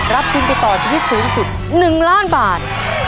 รับทุนไปต่อชีวิตสูงสุด๑ล้านบาท